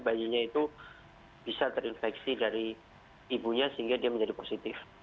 bayinya itu bisa terinfeksi dari ibunya sehingga dia menjadi positif